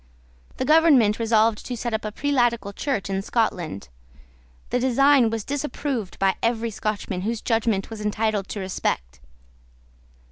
The government resolved to set up a prelatical church in Scotland. The design was disapproved by every Scotchman whose judgment was entitled to respect.